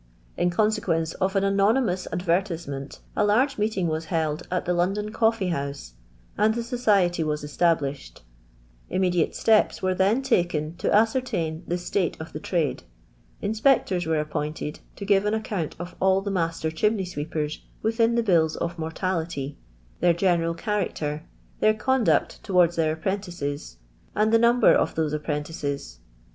In consequence of an anonymous .idver tisement, a large meetins was held at the London Coflee House, and the society was established ; immediate steps were then taken to ascertain the state of the trade; inspectors were ap|)ointed to give an account of all the master chimney* sweepers within the bills of mortality, their general character, their conduct towards their appreniices, and tlie number of thuse apprentices.